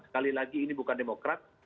sekali lagi ini bukan demokrat